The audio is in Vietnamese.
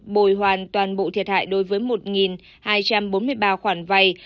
bồi hoàn toàn bộ thiệt hại đối với một hai trăm bốn mươi ba khoản vay